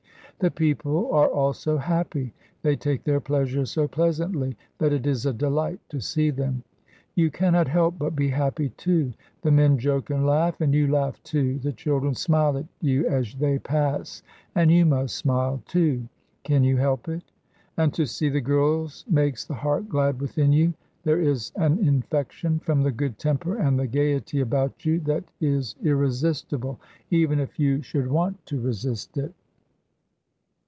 The people are all so happy, they take their pleasure so pleasantly, that it is a delight to see them. You cannot help but be happy, too. The men joke and laugh, and you laugh, too; the children smile at you as they pass, and you must smile, too; can you help it? And to see the girls makes the heart glad within you. There is an infection from the good temper and the gaiety about you that is irresistible, even if you should want to resist it.